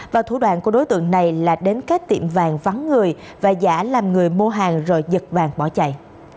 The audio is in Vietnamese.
và thủ đoạn của đối tượng này là đến các tiệm vàng vắng người và giả làm người mua hàng rồi giật vàng bỏ chạy